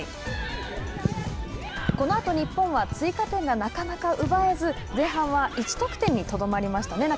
このあと日本は追加点がなかなか奪えず前半は１得点にとどまりましたね。